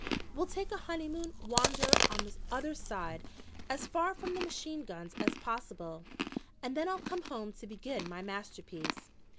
"We'll take a honeymoon wander on the other side, as far from the machine guns as possible, and then I'll come home to begin my masterpiece."